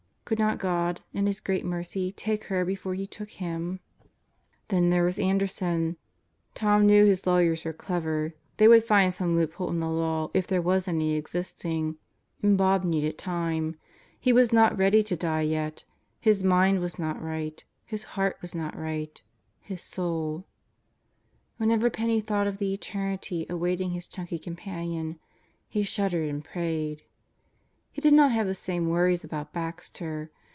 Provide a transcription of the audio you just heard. Could not God, in His great mercy, take her before He took him? Then there was Anderson. ... Tom knew his lawyers were clever. They would find some loophole in the law if there was any existing. And Bob needed time. He was not ready to die yet. Deeper Depths and Broader Horizons 129 His mind was not right. His heart was not right. His soul ... Whenever Penney thought of the eternity awaiting his chunky companion, he shuddered and prayed. He did not have the same worries about Baxter.